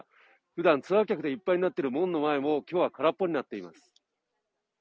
ふだん、ツアー客でいっぱいになっている門の前も、きょうは空っぽになっています。